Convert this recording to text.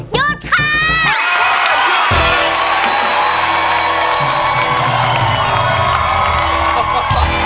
หยุดค่ะ